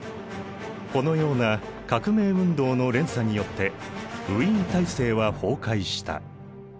このような革命運動の連鎖によってウィーン体制は崩壊した。